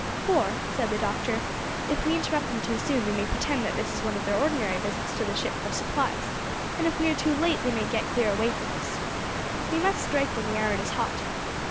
"For," said the doctor, "if we interrupt them too soon they may pretend that this is one of their ordinary visits to the ship for supplies, and if we are too late they may get clear away in spite of us. We must strike when the iron is hot."